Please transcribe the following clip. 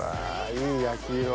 いい焼き色。